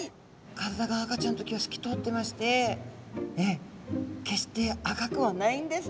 体が赤ちゃんの時はすき通ってまして決して赤くはないんですね